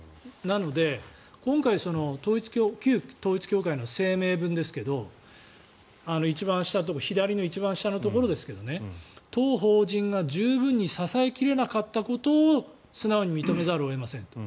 なので今回旧統一教会の声明文ですが左の一番下のところですけど当法人が十分に支え切れなかったことを素直に認めざるを得ません。